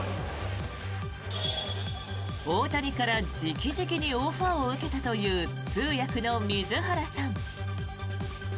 大谷から直々にオファーを受けたという通訳の水原さん。